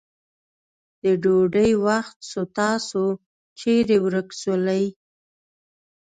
د ډوډی وخت سو تاسو چیري ورک سولې.